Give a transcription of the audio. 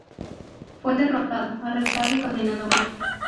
Fue derrotado, arrestado y condenado a muerte.